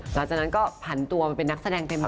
หลังจากนั้นก็ผันตัวมาเป็นนักแสดงเต็ม